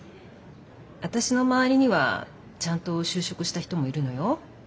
私の周りにはちゃんと就職した人もいるのよ。